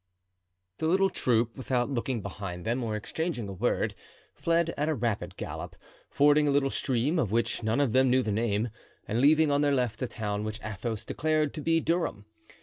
The little troop, without looking behind them or exchanging a word, fled at a rapid gallop, fording a little stream, of which none of them knew the name, and leaving on their left a town which Athos declared to be Durham.